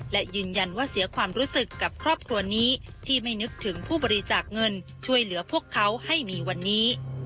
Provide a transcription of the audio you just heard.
และยืนยันว่าเสียความรู้สึกกับครอบครัวนี้ที่ไม่นึกถึงผู้บริจาคเงินช่วยเหลือพวกเขาให้มีวันนี้